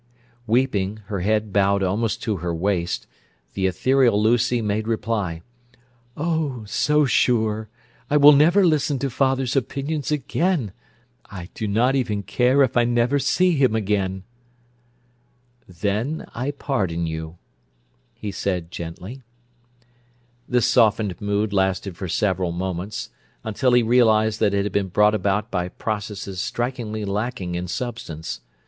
Weeping, her head bowed almost to her waist, the ethereal Lucy made reply: "Oh, so sure! I will never listen to father's opinions again. I do not even care if I never see him again!" "Then I pardon you," he said gently. This softened mood lasted for several moments—until he realized that it had been brought about by processes strikingly lacking in substance.